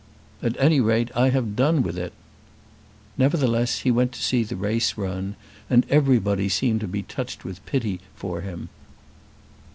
"At any rate I have done with it." Nevertheless he went to see the race run, and everybody seemed to be touched with pity for him.